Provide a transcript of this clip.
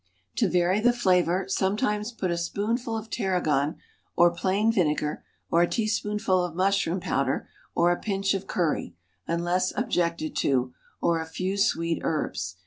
To vary the flavor, sometimes put a spoonful of tarragon or plain vinegar, or a teaspoonful of mushroom powder, or a pinch of curry, unless objected to, or a few sweet herbs.